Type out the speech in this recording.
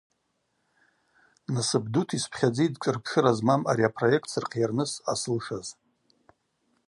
Насып дута йспхьадзитӏ шӏырпшыра змам ари апроект сырхъйарныс ъасылшаз.